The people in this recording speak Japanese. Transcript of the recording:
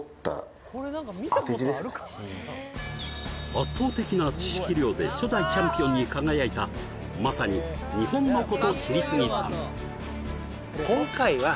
圧倒的な知識量で初代チャンピオンに輝いたまさに日本のこと知りスギさん